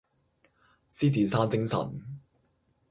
獅子山精神